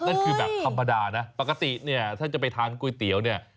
นั่นคือแบบธรรมดานะปกติเนี่ยถ้าจะไปทานก๋วยเตี๋ยวเนี่ย